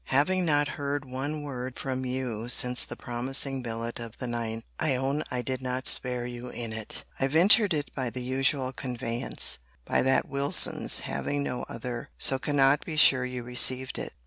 * Having not heard one word from you since the promising billet of the 9th, I own I did not spare you in it. I ventured it by the usual conveyance, by that Wilson's, having no other: so cannot be sure you received it.